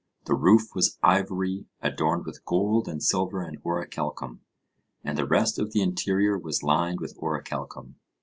The roof was of ivory, adorned with gold and silver and orichalcum, and the rest of the interior was lined with orichalcum.